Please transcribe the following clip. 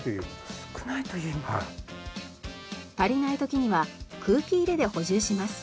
足りない時には空気入れで補充します。